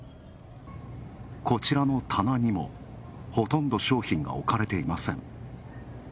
こちらの棚にもほとんど商品が置かれていません。